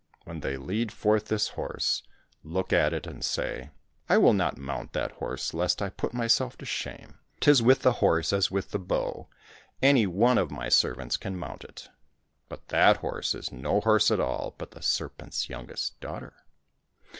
When they lead forth this horse, look at it and say, ' I will not mount that horse lest I put myself to shame. 'Tis with the horse as with the bow, any one of my servants can mount it !' But that horse is no horse at all, but the serpent's youngest daughter